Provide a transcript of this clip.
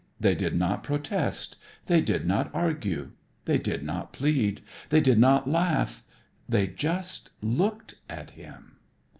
They did not protest. They did not argue. They did not plead. They did not laugh. They just looked at him.